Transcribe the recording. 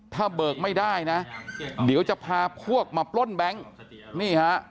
ถ้าเบิกไม่ได้นะเดี๋ยวจะพาพวกมาปล้นแบงค์นี่ฮะ